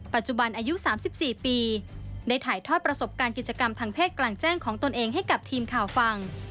ปัจจุบันอายุ๓๔ปีได้ถ่ายทอดประสบการณ์กิจกรรมทางเพศกลางแจ้งของตนเองให้กับทีมข่าวฟัง